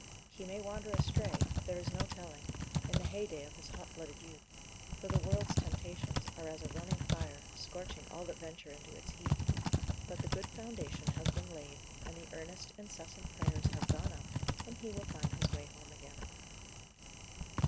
He may wander astray there is no telling in the heyday of his hot blooded youth, for the world's temptations are as a running fire, scorching all that venture into its heat; but the good foundation has been laid, and the earnest, incessant prayers have gone up, and he will find his way home again.